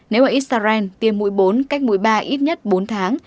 nếu ở israel tiêm mũi bốn cách mũi ba ít nhất bốn tháng